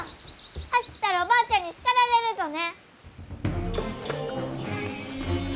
走ったらおばあちゃんに叱られるぞね！